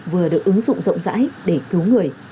vừa được ứng dụng rộng rãi để cứu người